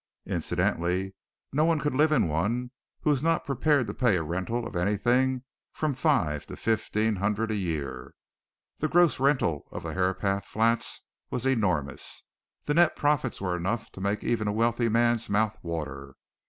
Incidentally, no one could live in one who was not prepared to pay a rental of anything from five to fifteen hundred a year. The gross rental of the Herapath Flats was enormous the net profits were enough to make even a wealthy man's mouth water.